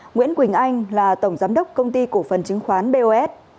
nguyễn quỳnh anh là tổng giám đốc công ty cổ phần chứng khoán bos